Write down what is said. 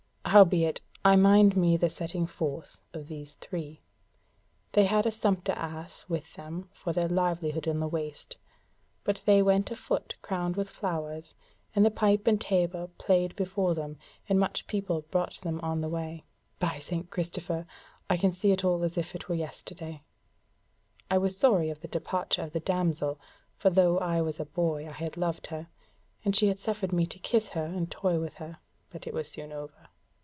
Howbeit I mind me the setting forth of these three. They had a sumpter ass with them for their livelihood on the waste; but they went afoot crowned with flowers, and the pipe and tabour playing before them, and much people brought them on the way. By St. Christopher! I can see it all as if it were yesterday. I was sorry of the departure of the damsel; for though I was a boy I had loved her, and she had suffered me to kiss her and toy with her; but it was soon over.